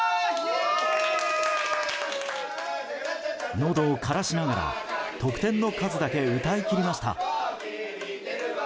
のどをからしながら得点の数だけ歌い切りました。